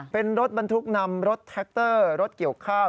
เป็นรถบรรทุกนำรถแท็กเตอร์รถเกี่ยวข้าว